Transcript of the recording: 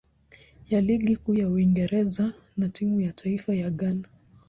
ya Ligi Kuu ya Uingereza na timu ya taifa ya Ghana.